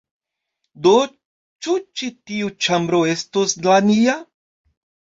Do, ĉu ĉi tiu ĉambro estos la nia?